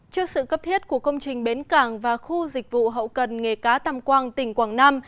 trước sự cấp thiết của công trình bến cảng và khu dịch vụ hậu cần nghề cá tăm quang tỉnh quảng nam